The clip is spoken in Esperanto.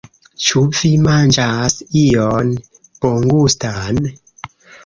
Ĉu vi manĝas ion bongustan?